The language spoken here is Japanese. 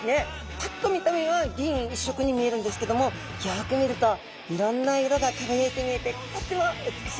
パッと見た目は銀一色に見えるんですけどもよく見るといろんな色が輝いて見えてとっても美しいお魚ですね。